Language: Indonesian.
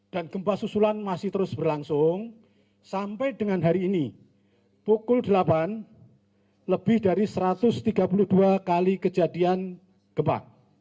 dan gempa susulan masih terus berlangsung sampai dengan hari ini pukul delapan lebih dari satu ratus tiga puluh dua kali kejadian gempa